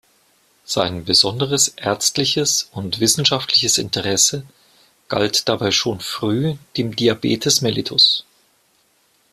Sein besonderes ärztliches und wissenschaftliches Interesse galt dabei schon früh dem Diabetes mellitus.